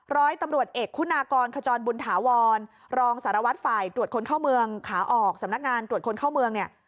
ร้อยตำรวจเอกคุณากรขจรบุญถาวรรองสารวัตรฝ่ายตรวจคนเข้าเมืองขาออกสำนักงานตรวจคนเข้าเมืองเนี่ย